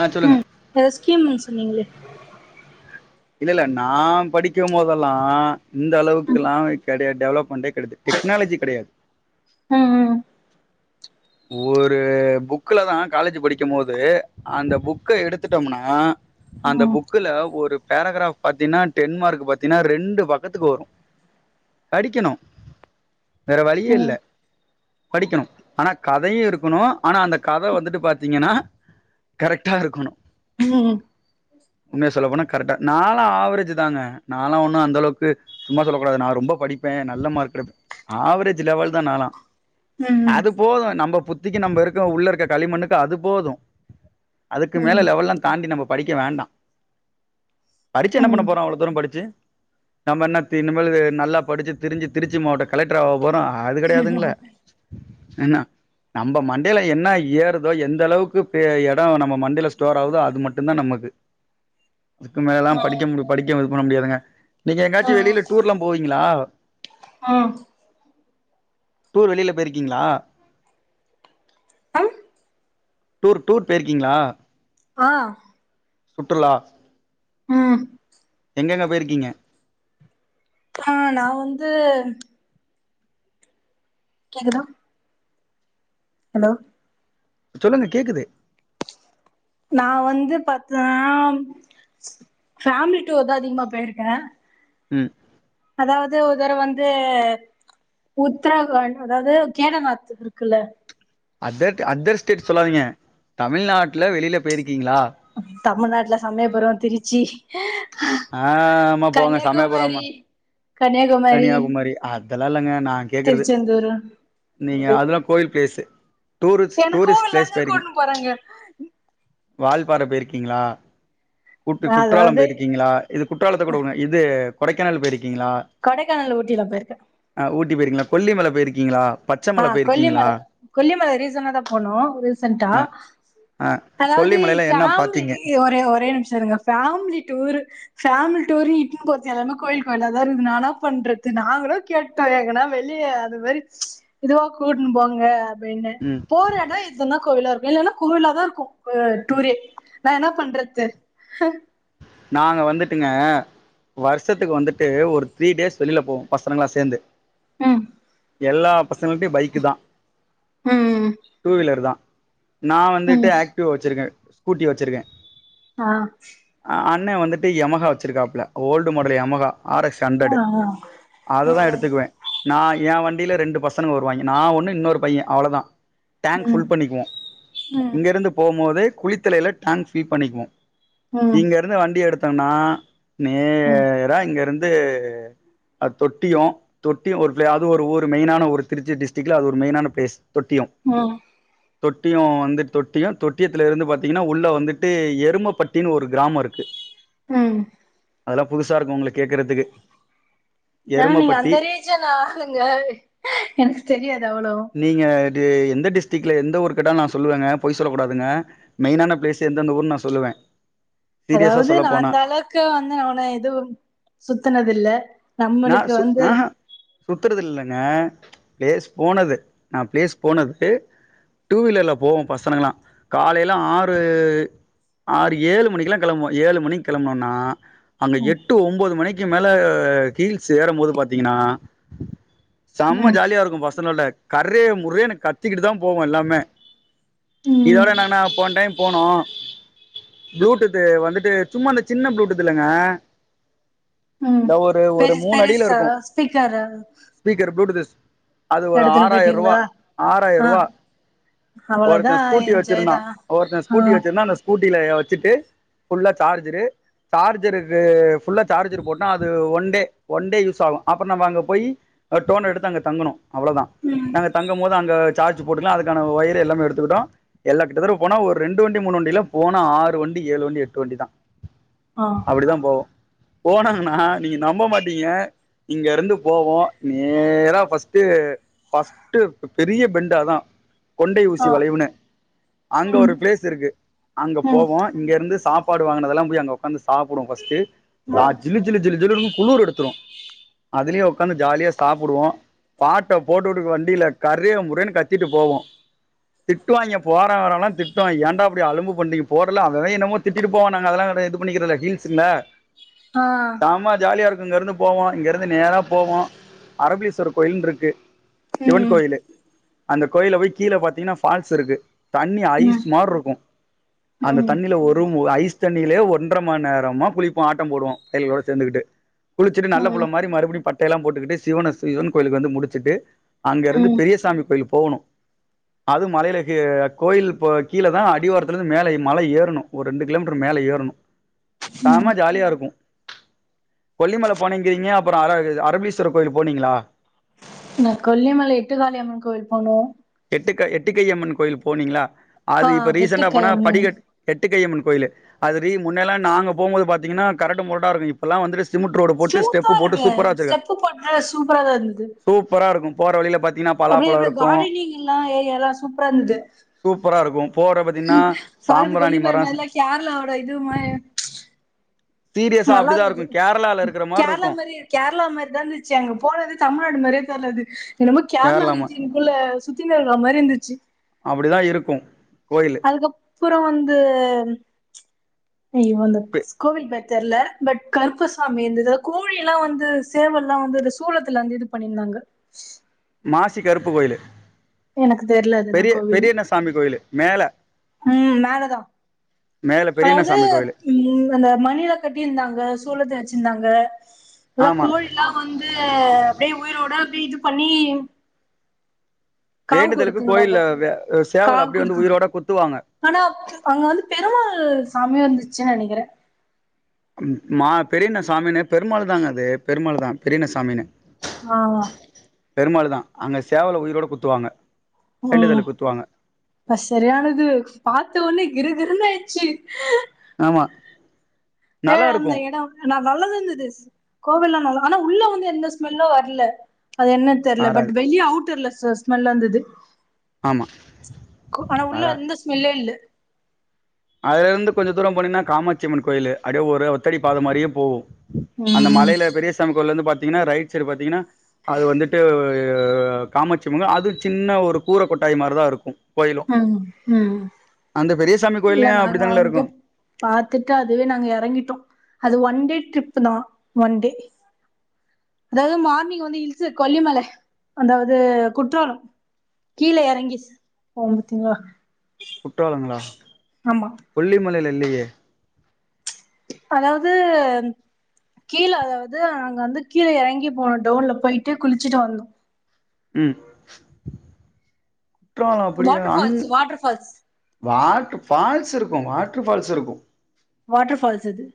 ஆ சொல்லுங்க ம் ஃபெஸ்கீம் சொன்னீங்களே இல்ல இல்ல நா படிக்கும்போதெல்லா இந்த அளவுக்கு லா கெடையா டெவலப்மென்டே கெடையாது டெக்னாலஜி கெடையாது ம் ம் ஒரு புக்ல தா காலேஜ் படிக்கு போது அந்த புக்க எடுத்துட்டோம்னா அந்த புக்ல ஒரு பேராகிராஃப் பாத்தீன்னா டென்மார்க் பாத்தீங்கன்னா ரெண்டு பக்கத்துக்கு வரு படிக்கணு வேற வழியே இல்ல படிக்கணு ஆனா கதையும் இருக்கணு ஆனா அந்த கதை வந்துட்டு பாத்தீங்கன்னா கரெக்டா இருக்கணு உண்மய சொல்லப்போனா கரெக்டா நாளா ஆவரேஜ் தாங்க நாளாம் ஒண்ணு அந்த அளவுக்கு சும்மா சொல்லக் கூடாது நா ரொம்ப படிப்பே நல்ல மார்க் எடுப்பே ஆவரேஜ் லெவல் தா நாளா ம்ம் தும் நம்ம புத்திக்கு நம்ம இருக்க உள்ள இருக்க களிமண்ணுக்கு அது போது அதுக்கு மேல லெவெல்லா தாண்டி நம்ம படிக்க வேண்டா படிச்சு என்ன பண்ண போறோ அவ்ளோ தூரோ படிச்சி நம்ம என்ன தி இனிமேலு நல்லா படிச்சு திரிஞ்சு திருச்சி மாவட்ட கலெக்டராவு போறோ அது கெடையாதுங்கலே என்ன நம்ப மண்டைல என்ன ஏறுதோ எந்த அளவுக்கு பே எடோ நம்ம மண்டைல ஸ்டோர் ஆகுதோ அது மட்டுந்தா நமக்கு அதுக்கு மேலல்லா படிக்க முடி படிக்க பண்ண முடியாதுங்க நீங்க எங்காச்சு வெளில டூர்லாம் போவீங்களா? ஆ டூர் வெளில போயிருக்கீங்களா? அ டூர் டூர் போயிருக்கீங்களா? ஆ சுற்றுலா ம் எங்கெங்க போயிருக்கீங்க? ஆ நா வந்து கேக்குதா? ஹலோ சொல்லுங்க கேக்குது. நா வந்து பாத்தா ஃபேமிலி டூர்தா அதிகமா போயிருக்கே. ம் அதாவது ஒரு தடவ வந்து உத்தரகாண்ட் அதாவது கேதார்நாத் இருக்குல்ல அதர்ட் அதர் ஸ்டேட் சொல்லாதீங்க தமிழ்நாட்ல வெளில போயிரு க்கீங்களா? தமிழ்நாட்ல சமயபுரோ திருச்சி ஆ ஆமா போங்க சமயபுரமா கன்யாகுமாரி தல்லா இல்லங்க நா கேக்குறது நீங்க அதல்லா கோயில் பிளேஸ்ஸு என்ன கோவில்தான கூட்னு போறாங்க வால்பாறை போயிருக்கீங்களா? குற் குற்றாலம் அதாவது போயிருக்கீங்களா? இது குற்றாலத்த கூட விடுங்க இது கொடைக்கானல் போயிருக்கீங்களா? கொடைக்கானல் ஊட்டில்லா போயிருக்கே ஆ ஊட்டி போயிருக்கீங்களா கொல்லிமல போயிருக்கீங்களா? ஆ பச்சமல போயிருக்கீங்களா கொல்லிமல கொல்லிமல ரீசன்டாதா போனோ ரீசன்டா ஆ ஆ அதாவது கொல்லிமலையில என்ன ஃபேம்லி பாத்தீங்க ஒரே ஒரே நிமிஷோ இருங்க ஃபேம்லி டூரு ஃபேம்லி டூரு இ ட்னு போறது எல்லாமே கோயில் கோயிலாதா இருக்குது நா என்னா பண்றது? நாங்களு கேட்டோ எங்கனா வெளிய அது மாரி இதுவா கூட்னு போங்க அப்டினு ம் போறோன்னா எதுனா கோவிலா இருக் இல்லன்னா கோவிலாதா இருக்கு ஆ டூரே நா என்னா பண்றது? நாங்க வந்துட்டுங்க வர்ஷத்துக்கு வந்துட்டு ஒரு த்ரீ டேஸ் வெளில போவோ பசங்களா சேந்து ம் எல்லா பசங்கள்டை பைக்கு தா ம் டூவீலர் தா நா வந்துட்டு ம் ஆக்டிவா வச்சுருக்கே ஸ்கூட்டி வச்சுருக்கே ஆ அண்ணெ வந்துட்டு யமகா வச்சுருக்காப்புல old model Yamaha R X ஆ ஹண்ட்ரடு அததா எடுத்துக்குவே நா ஏ வண் டில ரெண்டு பசனுங்க வருவாங்க நா ஒன்னு இன்னொரு பைய அவ்ளதா டேங்க் ம் ஃபுல் பண்ணிக்குவோ ம் இங்கருந்து போம்போது குளித்தலையில டாங் ஃபில் பண்ணிக்குவோ ம் இங்கெருந்து வண்டி எடுத் தன்னா ம் நேரா இங்கெருந் து அ தொட்டியொ தொட்டியொ ஒரு ப்ளெ அது ஒரு ஊரு மெயினான ஊரு திருச்சி டிஸ்ட்ரிக்ல அது ஒரு மெயினான ப்ளேஸ் தொட்டியொ ம் தொட்டியொ வந்துட் தொட்டியொ தொட்டியத்துலெருந்து பாத்தீங்கனா உள்ள வந்துட்டு எருமப்பட்டின்னு ஒரு கிராம இருக்கு ம் அதுலா புதுசாருக்கு உங்ளுக் ஏனா நீங்க எருமப்பட்டி அந்த ரீஜன் ஆளுங்க எனக்கு தெரியாது அவ்வளொ து எந்த டிஸ்ட்ரிக்ல எந்த ஊர் கேட்டாலு நா சொல்லுவெங்க பொய் சொல்லக்கூடாதுங்க மெயினான ப்ளேஸு எந்தெந்த ஊருன் நா சொல்லுவே அதாவ்து நா அந்த அளவுக்கு வந்து நா ஒன எதுவும் சுத்துனதில்ல நம்மளுக்கு வந்து சுத்துறதில்லங்க ப்ளேஸ் போனது நா ப்ளேஸ் போனது டூவீலர்ல போவோ பசனுங்கலா காலைல ஆறு ஆறு ஏழு மணிக்கலா கெளம்புவோ ஏழு மணிக் கெளம்புனோன்னா அங்க ம் எட்டு ஒம்போது மணிக் கி மேல ஹீல்ஸ் ஏறும் போது பாத்தீங்கனா செம்ம ம் ஜாலியாருக்கு பசல்லொல கரே முரேன்னு கத்திக்கிட்டு தா போவொ எல்லாமே ம் இதோட நாங்னா போன் டைம் போனோ ப்ளூடூத்து வந்துட்டு சும்மா அந்த சின்ன ப்ளூடூத் இல்லங்க ம் இந்த ஒரு ஒரு ஃபெஸ் மூணு ஃபெரஸ்ஸ ஸ்பீக்கரு புடுதிஸ் அது ஒரு ஆறாயிர ரூவா ஆறாயிர ஆ ரூவா அவ்வளோதா ஒருத்த ஸ்கூட்டி என்ஜாய் வச்சிருந்தா தா ஒருத்த ஆ ஸ்கூட்டி வச்சிருந்த அந்த ஸ்கூட்டில ஏவ ட்டு ஃபுல்லா சார்ஜரு சார்ஜருக்கு ஃபுல்லா சார்ஜரு போட்டோ அது one one day one day use ஆகு அப்புறோ நம்ம அங்க போய் டோன் எடுத்து அங்க தங்கணு அவ்ளோதா ம் நாங்க தங்கு போது அங்க சார்ஜு போட்டுக்கலா அதுக்கான வயர் எல்லாமே எடுத்துக்குட்டோ எல்லா கிட்ட தடவ போனா ஒரு ரெண்டு வண்டி மூணு வண்டில போனா ஆறு வண்டி ஏழு வண்டி எட்டு வண்டி தா ஆ அப்டிதா போவோ போனாங்கண்ணா நீ நம்ப மாட்டீங்க இங்க இருந்து போவோ நேரா ஃபஸ்ட் ஃபஸ்ட் பெரிய பெண்டுஅதா கொண்டை ஆ ஊசி வளைவுனு அங்க ஒரு ம் ப்ளேஸ் இருக்கு அங்க ம் போவோ இங்கிருந்து சாப்ட் சாப்பாடு வாங்குனதெல்லா போய் அங்க உக்காந்துசாப்டுவோ ஃபஸ்டு ஆ சா ஜிலு ஜிலு ஜிலு ஜிலுன் துரு அதுலயு உட்காந்து ஜாலியா சாப்டுவோ பாட்ட போட்டுவுட்டு வண்டில கரு முறுனு கத்திட்டு போவோ திட்டுவாய்ங்க போரவ வரவன்லா ஏன்டா இப்டி அலும்பு பன்றிங்க போடல அவஅவ என்னமோ திட்டிட்டு போவா அதெல்லா இது பன்றதில்ல கில்ஸ்ல ஆ சாமா ஜாலியாருக் இங்க இருந்து போவோ இங்க இருந்து நேரா போவோ அரபிலீஸ்வர் கோயில்னுருக்கு சிவன் ம் கோயிலு அந்த கோயில போய் கீழ பாத்தீங்கன்னா ஃபால்ஸ் இருக்கு தண்ணி ஐஸ் ம் மாரி இருக்கு அந்த ம் தண்ணில ஒரு மு ஐஸ் தண்ணிலயே ஒன்றர மணி நேரமா குளிப்போ ஆட்டோ போடுவோ பைல்கலோட சேர்ந்துட்டு குளிச்சுட்டு நல்ல புல்ல ம் மாரி மறுபடி பட் எல்லா போட்டுக்கிட்டு சிவன சிவன் கோயிலுக்கு வந்து முடிச்சுட்டு அங்க இருந்து ம் பெரியசாமி கோயில் போணு அது மலையிலக்கு கோயில் கீழ தா அடிவாரத்துலந்து மேல மல ஏறணு ஒரு ரெண்டு கிலோமீட்டர் மேல ஏறணு சாம ம் ஜாலியா இருக்கு கொல்லிமல போனீங்கிறீங்க அப்பறோ அர அரபலீஸ்வரர் கோயிலு போனீங்களா நா கொல்லிமலை எட்டு காாளியம்மன் கோவில் போனே எட்டுக் எட்டுக்கையம்மன் கோயில் போனீங்ளா ஆ அது இப்ப ரீசென்டா போனா கெட்டிக்காய் அம்மன் படிகட் எட்டு கையம்மன் கோயிலு அது ரி முன்னல்லா நாங்க போம்போது பாத்தீங்கன்னா கரட முரடா இருக்கு இப்பல்லா வந்துட் சூப்ராருக்கு ஸ்டெப்பு போட்டு சூப்பரா தா இருந்தது சூப்பரா இருக்கு போற வழில பாத் பத்தீங்கன்னா பலாப்பழோ இருக்கு லா ஏரியாலா சூப்பரா இருந்தது சூப்பரா இருக்கு போற பாத்தீங்கன்னா பாக்கதுக்கு சாம்பிராணி கொல்லிமர மரோ மாரிலா கேரளாவோட இது மாரி சீரியஸா நல்லா அப்டிதா இருந்தது இருக்கு கேரளால இருக்கிற கேரளா இருக்கு மாரி கேரளா மாரி தா இருந்துச்சு அங்க போனது தமிழ்நாடு மாரியே தெர்லது என்னமோ கேர்ளா கேரளாம ரீஜின்குள்ள சுத்தினுருக்குற மாரி இருந்துச்சு அப்படிதா இருக்கு கோயிலு அதுக்கப் அப்புறொ வந்து அய் இவந்து பெ ஸ்கூவில் பாக் தெர்ல பட் கருப்பசாமி இருந்துது கோழி எல்லா வந்து சேவல்லா வந்து ஒரு சூளத்துல வந்து இது பண்ணிருந்தாங்க மாசி கருப்பு கோயிலு எனக்கு தெர்ல அதுன்னா பெரிய கோவில்னு பெரியண்ண சாமி கோயிலு மேல ம் மேலதா மேல பெரியண்ண அதாவது சாமி கோயிலு ம் அந்த மணிலா கட்டிருந்தாங்க சூலத்த எடுத் ச்சிருந்தாங்க எல்லா ஆமா கோழில்லா வந்து அப்டே உயிரோட இது பண்ணி காவு வேண்டுதலுக்கு குடுத்துருந்தாங்க கோயில்ல சேவல் காவு அப்டியே வந்து குடுத்து உயிரோட குத்துவாங்க ஆனா அங்க வந்து பெருமாள் சாமியு இருந்துச் ச்ச நெனைக்கறே ம் மா பெரியன்ன சாமின்னு பெருமாள் தாங்க அது பெருமாள் தா பெரியன்ன சாமின்னு ஆ பெருமாளுதா அங்க சேவலு உயிரோட குத்துவாங்க ம் வேண்டுதலுக்கு குத்துவாங்க அது சரியானது பாத்த ஒன்னேக் கிரு கிருன்னு ஆய்ச்சி ஆமா ஏ நல்லா அந்த இருக்கும் எடோ ந நல்லாதா இருந்துது கோவில்லா நல்லா ஆனா உள்ள வந்து எந்த ஸ்மெல்லோ வர்ல அது என்ன தெர்ல பட் மாறாது வெளிய அவுட்டர்ல ச ஸ்மல்லா இருந்தது ஆமா கு ஆனா உள்ள மாறாது எந்த ஸ்மெல்லு இல்ல அதுலருந்து கொஞ்சொ தூரொ போனீங்கன்னா காமாட்சியம்மன் கோயிலு அடியே ஒரு ஒத்தடி பாத மாரியே போவு அந்த ம் மலையில பெரிய சாமி கோவில்லருந்து பாத்தீங்கன்னா ரைட் சைடு பாத்தீங்கன்னா அது வந்துட்டு காமாட்சிமங்கொ அது சின்ன ஒரு கூர கொட்டாயி மாரிதா இருக்கு கோயிலு ம் ம் அந்த பெரிய சாமிக் இல்ல நாங்க அங்யேப் பாத்துட்டு அதுவே நாங்க எறங்கிட்டோ அது ஒ ஒன் டே ட்ரிப்பு தா ஒன் டே அதாவது மார்னிங் வந்து இல்ஸு கொல்லிமல அந்தாவது குற்றாலம் கீல எறங்கி போவோ பத்தீங்களா குற்றாலங்களா கொல்லிமலைல இல்லியே அதாவது கீல அதாவது நாங்க வந்து கீல எறங்கி போனோ டவுன்ல போயிட்டு குளிச்சுட்டு வந்தோ ம் குற்றாலோ அப்டியா water an falls water falls வா ஃபால்ஸ் இருக்கு வாட்டர் ஃபால்ஸ் இருக்கு வாட்டர் ஃபால்ஸ் இது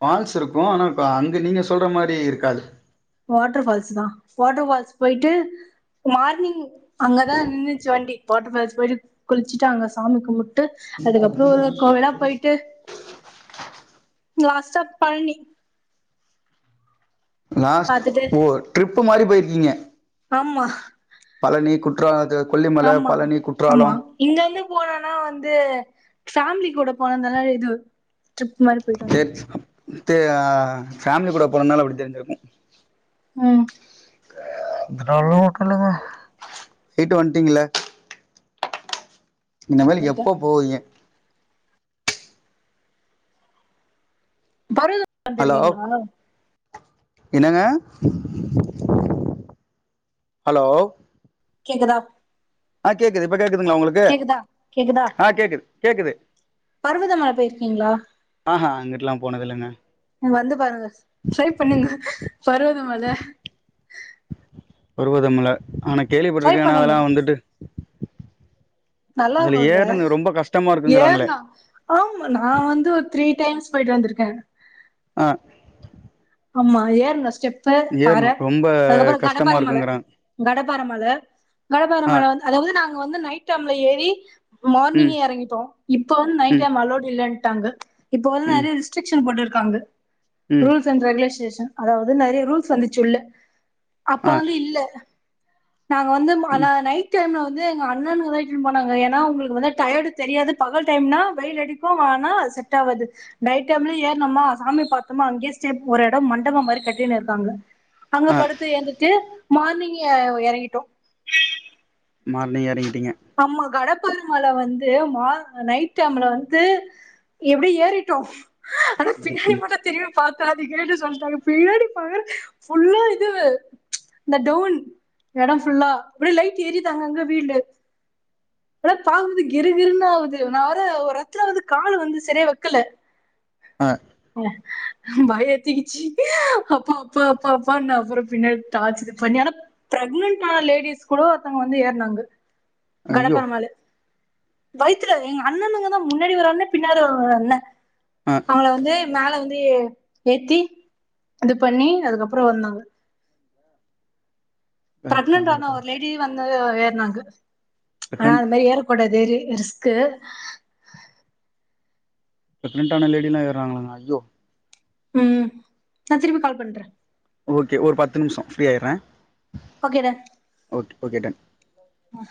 ஃபால்ஸ் இருக்கு ஆனா அ அங்க நீங்க சொல்ற மாரி இருக்காது வாட்டர் ஃபால்ஸ் தா வாட்டர் பால்ஸ் போய்ட்டு மார்னிங் அங்கதா நின்ந்துச்சு வண்டி வாட்டர்பால்ஸ் போயிட்டு குளிச்சுட்டு அங்க சாமி கும்ட்டு ட்டு அதுக்கப்புறோ ஒரு ஒரு கோவிலா போயிட்டு லாஸ்ட்டா பழனி லாஸ்ட் பாத்துட்டு ஓ டிரிப் மாரி பொயிருக்கீங்க ஆமா பழனி குற்றாலத்த ஆமா ஆமா இங்க வந்து போனனா வந்து ஃபேமிலி கூட போனந்தல்லா இது ட்ரிப் மாரி போயிட்டு வந்தோ த்ஆ ஃபேமிலி கூட போனும்னாலு அப்டி தெரிஞ்சிருக்கு ம் திர மட்டு இல்லங்க போய்ட்டு வந்ட்டீங்கள இந்த மாலி நீங்க எப்போ போயிங்க பருது ஹலோ பாத்திருக்கீங்ளா என்னங்க ஹலோ கேக்குதா ஆ கேக்து இப்ப கேக் குதா உங்களுக்கு கேக்குதா ஆ கேக்குது கேக்குது பருவத மல போயிருக்கீங்களா ஆஹா அங்ட்டுல்லா போனதில்லங்க வந்து பாருங்க ட்ரை பண்ணுங்க பருவத மல பருவதமல ஆனா கேள்விப்பட்டிருக்கே ஆனா பண்ணுங்க அதெல்லா வந்துட்டு அதுல நல்லாருக்குங்க ஏறணு ரொம்ப கஷ்டமா இருக்குங்கிறாங்களே ஏர்னா ஆமா நா வந்து ஒரு த்ரீ டைம்ஸ் போயிட்டு வந்திருக்கே அ ஆமா ஏறனாஸ்டப் ஃபஸ் பாற ரொம்ப அதுக்கப்புறோ கஷ்டமா கடபாரமல இருக்குங்கிறாங்க கடபாரமல ஆ கடபாரமல வந் அதாவது நாங்க வந்து நைட் டைம்ல ஏறி ம் மார்னிங்கே இறங்கிட்டோ இப்ப வந்து நைட் ம் டைம் அலோட் இல்லன்ட்டாங்க இப்ப வந்து ம் நெறைய ரிஸ்ட்ரிக்க்ஷன் போட்டுருக் க்காங்க ம் ரெஸ்ட்ரீஷன் அதாவது நெறைய ரூல்ஸ் வந்துச்சு உள்ள அப்ப ஆ வந்து இல்ல நாங்க வந்து ம் ஆனா நைட் டைம்ல வந் ந்து எங்க அண்ணனுங்கதா இட்டுன் போனாங்க ஏன்னா உங்களுக்கு வந்து டயடு தெரியாது பகல் டைம்னா வெயில் அடிக்கு வானா அது செட் ஆவாது டைட் டைம்ல ஏர்னுமா சாமி பாத்தோமா அங்யே ஸ்டேப் ஒரு எடோ மண்டபொ மாரி கட்டின்னு இருக்காங்க அங்க ஆ படுத்து ஏந்துட்டு மார்னிங் ய எற் றங்கிட்டோ மார்னிங் எறங்கிட் அம்மா கடக் பர்வதமல வந்து மா அ நைட் டைம்ல வந்து எப்டியோ ஏறிட்டோ ஆனாபின்னாடி ஏறிட்டீங்க மட்டு தெரியவே பாக்காதீங்கன்னு சொல்ட்டாங்க பின்னாடி பாக்குறே புஃல்லா இது இந்த டோன் எடோ புஃல்லா அப்டே லைட் எரிது அங்கங்க வீல்டு அப்டே பாக்கும்போது கிருகிருன்னு ஆவுது நா வற ஒரு எத்துல வந்து காலு வந்து சரியா வைக்கல ஆ ய பயொ எத்திகிச்சு அப்பா அப்பா அப்பா அப்பான்னு அப்புறொ பின்னாடி டார்ச் இது பண்ணி ஆனா பிரெக்னன்ட் ஆன லேடிஸ் கூடொ ஒருத்தங்க வந்து ஏற்னாங்க ஐயோ கடப்பெருமாளு வைத்துல எங்க அண்ணனுங்க தா முன்னாடி ஒரு அண்ண பின்னாடி ஒரு ரு அண்ண ஆ அவங்கள வந்து மேல வந் து ஏத்தி இது பண்ணி அதுக்கப்புறொ வந்தாங்க பிரெக்னன்ட் ஆனா ஒரு லேடி வந் ந்தது ஏற்னாங்க ஆனா ப்ரெக்னன்ட் அது மாரி ஏறக்கூடாது ஏறி ரிஸ்க்கு பிரக்னண்ட் ஆன லேடில்லா ஏற்றாங்களாங்க ஐய்யோ ம் நா திரும்பி கால் பண்றே ஓகே ஒரு பத்து நிமிஷோ ஃப்ரீ ஆய்றே ஓக் ஓகே டன் ஆ